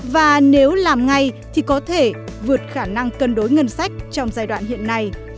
và nếu làm ngay thì có thể vượt khả năng cân đối ngân sách trong giai đoạn hiện nay